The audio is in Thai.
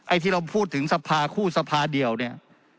ที่เราพูดถึงสภาคู่สภาเดียวเนี่ย